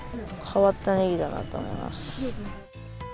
変わったねぎだなと思います。